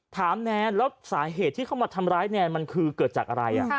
แนนแล้วสาเหตุที่เข้ามาทำร้ายแนนมันคือเกิดจากอะไร